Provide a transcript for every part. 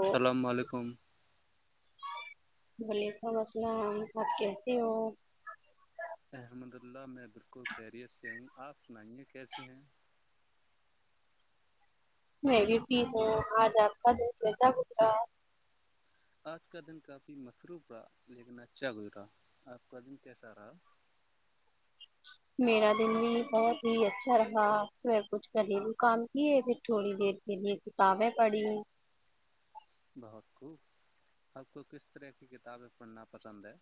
السلام علیکم بلی کا مسل آپ کیسے ہو احمد اللہ میں بالکل خریت سے ہوں آپ سنائیے کیسی ہیں میں ٹی ہوں آج آپ کا دھ لیتا گتا آج کا دن کافی مصروف رہا لیکن اچھا گزرا آپ کا دن کیسا رہا میرا دن بھی بہت ہی اچھا رہا میں کچھ کرریلو کام کیے پھر تھوڑی دیر کے لیے کتابیں پڑھی بہت خب آب کو کس طرح کی کتابیں پڑھنا پسند ہے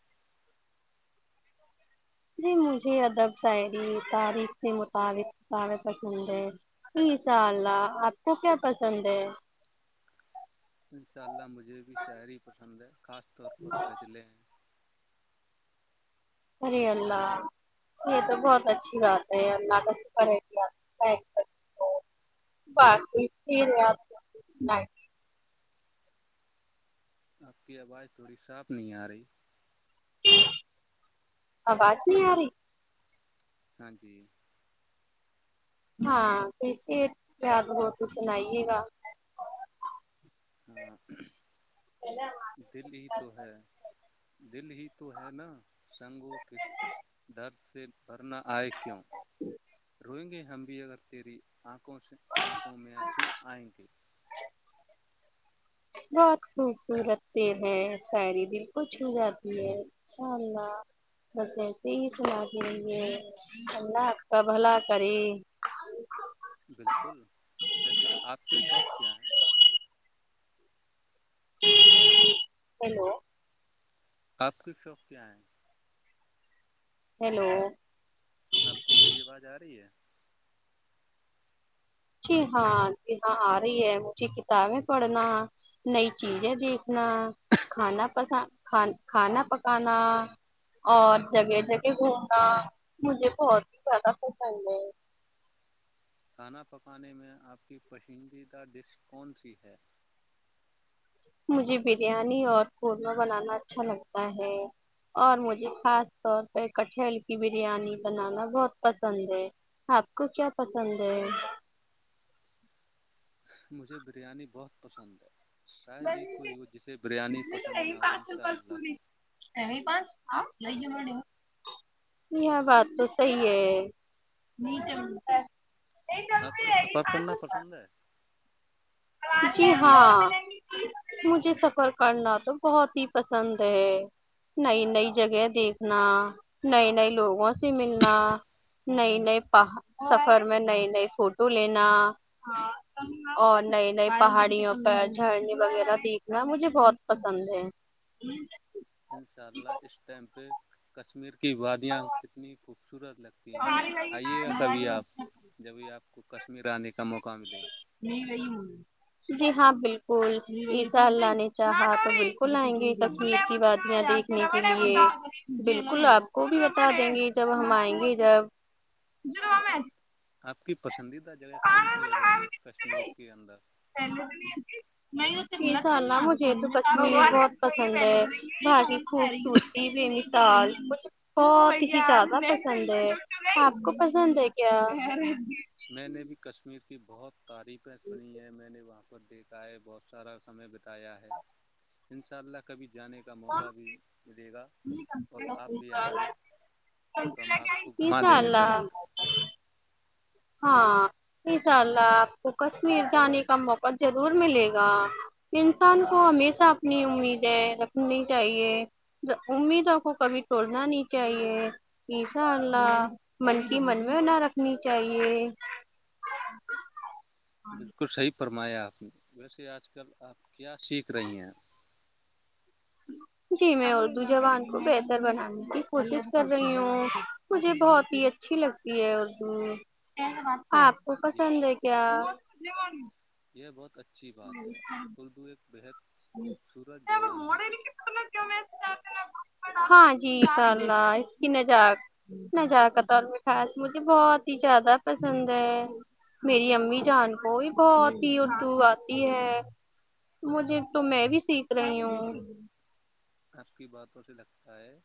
جی مجھے ادب شاعری تاریخ کے مطابق کتابیں پسند ہے جی انشاء اللہ آپ کو کیا پسند ہے اناء اللہجھے مجھے بھی شاعری پسند ہے خاص طور پر غزلیں ہیں ار اللہ یہ تو بہت اچھی بات ہے اللہ کا سکر کیا باقی پھر آ آپ کی آواز تھوڑی صاف نہیں آ رہی آواز نہیں اری ہاں جی ہاں کیے یاد ہو تو سنائیے گا ہاں [unintelligible] دل ہی تو ہے دل ہی تو ہے نا سنگوں کے درد بھر نہ آئے کیوں روئیں گے ہم بھی اگر تیرینکھوں آنکھوں میں آنسو آئیں گے بہت خوبصورت سے ہے ساعری دل خو چھو جاتی ہے ان شاء اللہ بس ایسے ہی سنا کےے اللہ آپ کا بھلا کرے بالکل ویسے آپ کے شوق کیا ہیں ہلو آپ کی شاپ کیا ہیں ہیلو آپ کو میری آواز آ رہی ہے جی ہاں جی ہاں آ رہی ہے مجھے کتابیں پڑھنا نئی چیزیں دیکھنا کھانا پس کھانا پکانا اور جگہ جگہ گھومنا مجھے بہت ہی زیادہ پسند ہے کھانا پکانے میں آپ کی پسندیدہ ڈش کون سی ہے مجھے بریانی اور قورمہ بنانا اچھا لگتا ہے اور مجھے خاص طور پہ کٹھل کی بریانی بنانا بہت پسند ہے آپ کو کیا پسند ہے مجھے بریانی بہت پسند ہے شاید ہی کوئی ہو جسے بریانی پسند نہ ہو ان شاء اللہ یہ بات تو صحی ہے آپ کو سفر کرنا پسند ہے جی ہاں مجھے سفر کرنا تو بہت ہی پسند ہے نئی نئی جگہ دیکھنا نئے نئے لوگوں سے ملنا نئی نئے سفر میں نئی نئی فوٹو لینا اور نئے ن پہاڑیوں پر جھرنے وغیرہ دیکھنا مجھے بہت پسند ہے ان شاء اللہ اس ٹائم پہ کشمیر کے کی وادیاں کتنی خوبصورت لگتی ہیں آئیے گا کبھی آپ جبھی آپ کو کشمیر آنے کے نہیں وہی م جی ہاں بالکل یہ سال لان نے چاہا تو بالکل آئیں گے کشمیر کی بادیاں دیکھنے کے لیے بالکل آپ کو بھی بتا دیں گے جب ہم آئیں گے جب آپ کی پسندیدہ جگہ کون سی ہے ویسے کشمیر کے اندر مجھے تو کشمییر بہت پسند ہے ب کی خوبصورتی بے مثال بہت ہی زیادہ پسند ہے آپ کو پسند ہے کیا میں نے بھی کشمیر کی بہت تعریفیں سنی ہیں میں نے وہاں پر دیکھا ہے بہت سارا سمے بتایا ہے ان شاء اللہ کبھی جانے کا موقع بھی ملے گا نہیں اور آپ بھی آئیں گے تو ہم آپ کو گھما دیں گے چلہ تک۔ ہاں انشاء اللہ آپ کو کشمیر جانے کا موقع ضرور ملے گا انسان کو ہمیشہ اپنی امیدیں رکھنی چاہیے امیدوں کو کبھی توڑنا نہیں چاہیے ایشاء اللہ من کی من میں نہ رکھنی چاہیے [unintelligible] بالکل صحی فرمایا آپ نے ویسے آج کل آپ کیا سیکھ رہی ہیں جی میں اردو زبان کو بہتر بنانے کی کوشش کر رہی ہوں مجھے بہت ہی اچھی لگتی ہے اردو آپ کو یہ پسند ہے کیا یہ بہت اچھی بات ہے اردو ایک بےحد مورےنا خوبصورت زبان ہے جاتتے ن وہ ہاں جی ان شاء اللہ اس کی ن نجاکت اورم خاص مجھے بہت ہی زیادہ پسند ہے میری امی جان کو بھی بہت ہی اردو آتی ہے مجھے تو میں بھی سیکھ رہی ہوں آپ کی باتوں سے لگتا ہے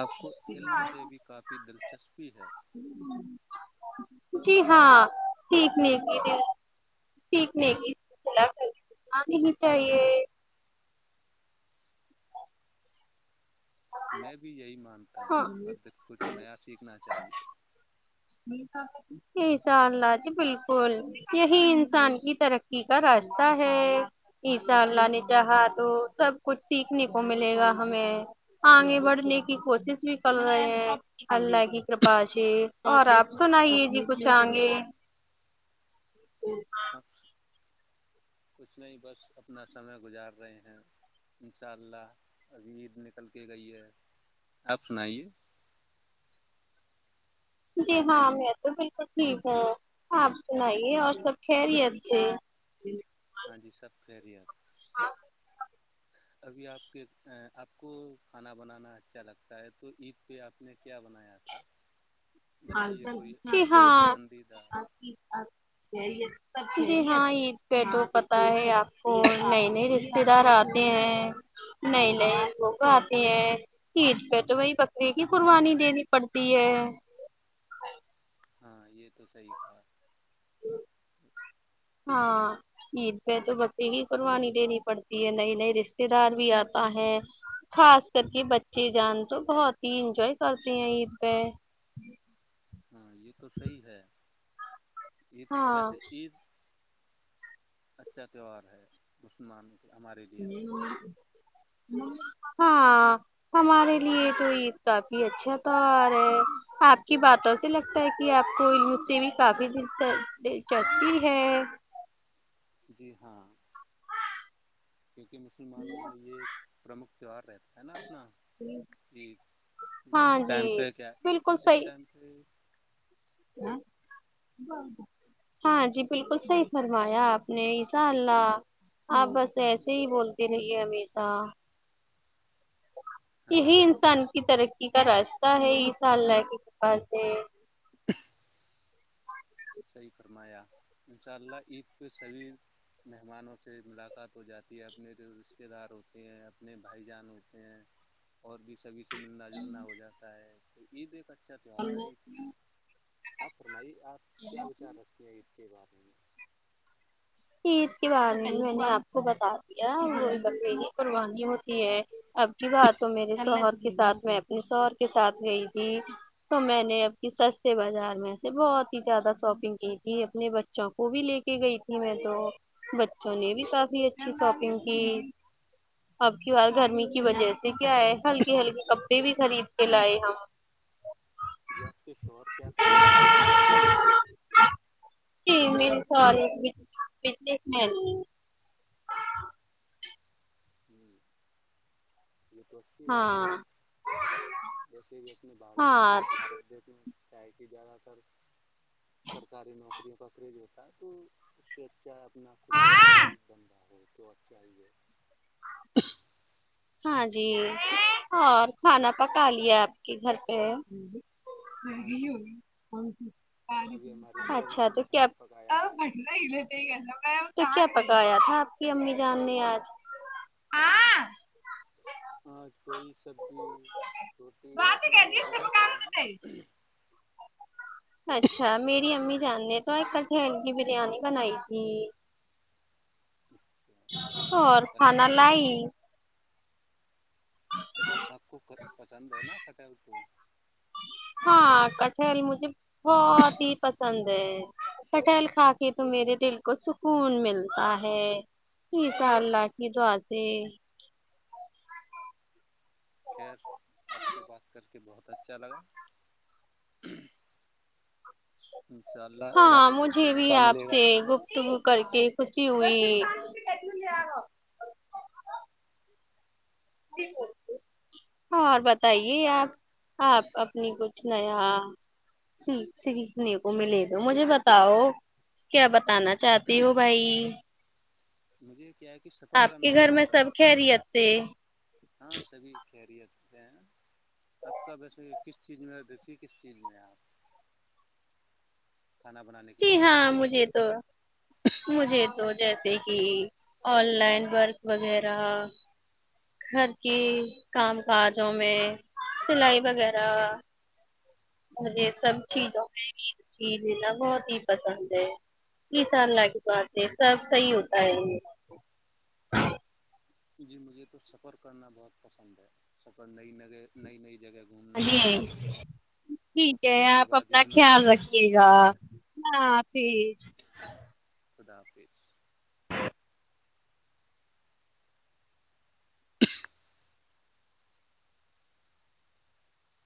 آپ کو علم سے بھی کافی دلچسپی ہے جی ہاں سیکھنے کی سیکھنے کی کھی نہیں چاہیے میں بھی یہی مانتا ہوں ہاں اور دیک کچھ نیا سیکھنا چاہیے عشا اللہ جی بالکل یہی انسان کی ترقی کا راستہ ہے ایشاء اللہ نے چاہا تو سب کچھ سیکھنے کو ملے گا ہمیں آگے بڑھنے کی کوشش بھی کر رہے ہیں اللہ کی کرپا سے اور آپ سنائیے جی کچھ آئ گے آپ کچھ نہیں بس اپنا سمے گزار رہے ہیں ان شاء اللہ ابھی عید نکل کے گئی ہے آپ سنائیے جی ہاں میں تو بالکل ٹھیک ہوں آپ سنے اور سب کہری اچھے ہاں جی سب پری یار ابھی آپ کے آپ کو کھانا بنانا اچھا لگتا ہے تو عید پہ آپ نے کیا بنایا تھا بتائیے کوئی جی کی ہاں آپ پسندیدہ آپ [inaudible] جی ہاں عید پہ تو پت ہے آپ کو نئے نئے رشتے دار آتے ہیں نئے نئے لوگ آتے ہیں عید پہ تو وہی بکرریے کی قربانی دینی پڑتی ہے ہاں یہ تو صحی تھا [inaudible] ہاں عید پہ تو بچے ہی قربانی دینی پڑتی ہے نئی نئے رشتے دار بھی آتا ہے خاص کر کے بچے جان تو بہت ہی انجوائے کرتے ہیں عید پہ ہاں یہ تو صحی ہے عید ہاں ویسے عید اچھا تہوار ہے دسمانی نہیں ہاں ہمارے لیے تو عید کافی اچھا تیوار ہے آپ کی باتوں سے لگتا ہے کہ آپ کو ع سے بھی کافی دل دلچسپی ہے جی ہاں کیونکہ مسلمانوں میں یہ ایک پرمکھ تہوہار رہتا ہے نا اپنا کہ اس ہاں کے جی ٹائم پہ کیا بالکل اس صحیح ٹائم پہ ہاں جی بالکل صحی فرمایا آپ نے عشاء اللہ آپ بس ایسے ہی بولتے رہیے ہمیشہ [inaudible] ہاں یہی جی انسان کی ترقی کا رستہ ہے اس حال کی کپا سے [inaudible] صحیح فرمایا ان شاء اللہ عید پہ سبھی مہمانوں سے ملاقات ہو جاتی ہے اپنے رشتتے دار ہوتے ہیں اپنے بھائی جان ہوتے ہیں اور بھی سبھی سے ملنا جلنا ہو جاتا ہے یہید پچے اچھا تیوار ہے یہ آپ فرمائی آپ [inaudible] کیا وچار رکھتی ہے [inaudible] کیی بات نہیں [inaudible] عید کے بارے میں میں نے آپ کو بتا دیا ب پروانی ہوتی ہے اب کی بات تو میرے شوہر کے ساتھ میں اپنے شوہر کے ساتھ گئی تھی تو میں نے اب کی سستے بازار میں سے بہت ہی زیادہ شاپنگ کی تھی اپنے بچوں کو بھی لے کے گئی تھی میں تو بچوں نے بھی کافی اچھی شاپنگ کی اب کی بار گرمی کی وجہ سے کیا ہے ہلکے ہلکے کپڑے بھی خرید کے لائے ہم آپ کے شوہر کیا کرتے ہیں جی میرے سال [inaudible] فتنے میں ہوں [inaudible] یہ تو اچھی بات ہے ہاں جیسے بھی اپنے بھارت بھارت دیش میں کیا ہے کہ زیادہ تر سرکاری نوکریوں کا کریز ہوتا ہے تو اس سے اچھا اپنا خود کا ہاں کوئی بندہ ہو تو اچھا ہی ہے [inaudible] ہاں جی اور کھانا پکا لیا آپ کے گھر پہ ہاں جی ابھی ہماری [unintelligible] امی اچھا جان تو نے [inaudible] کھانا پکایا ہے پکایا تھا آپ کی امی جان نے آج [unintelligible] ہاں کوئی سبزی روٹی اور چاول بھی پکائے ہیں [unintelligible] اچھا میری امی جاننے تو ایک کٹل کی بریانی بنائی تھی [unintelligible] اور کھانا کٹہل لائی [inaudible] سب کو پسند ہے نا کٹل تو [inaudible] ہاں کٹہل مجھے بہت ہی پسند ہے کٹہل کھا کے تو میرے دل کو سکون ملتا ہے [unintelligible] ج سا اللہ اچھا کی دوعازے [unintelligible] خیر آپ سے بات کر کے بہت اچھا لگا [unintelligible] انشاء اللہ ہاں مجھے بھی موقع آپ ملے گا سے گفتگو کر کے خوشی ہو [unintelligible] ا اور بتائیے آپ [inaudible] آپ اپنی کو [inaudible] نیا سیکھنے کو ملے تو مجھے بتاؤ کیا بتانا چاہتے ہو بھائی مجھے کیا ہے کہ سفر آپ کے کرنا گھر بہت میں بڑ سب خیریت سے ہاں سبھی خیریت آپ کاب ایسے کس چیز میں دیکھیے کس چیز میں آپ کھانا بنانے کے جی علاوہ ہاں مجھے تو مجھے تو تو جیسے کہ آن لائن ورک وغیرہ گھر کی کام کاجوں میں سلائی وغیرہ مجھے سب چیزوں میں ہی چیز لینا بہت ہی پسند ہے اسس اللہ کی بات ہے سب صحیح ہوتا ہے یہ جی مجھے تو سفر کرنا بہت پسند ہے سفر نئی ن نئی نئی جگہ گھومنا جی ٹھیک ہے کشمیر کی آپ اپنا وادیوں میں خیال گھومنا رکھیے گا ہ جی خدا حافظ [inaudible]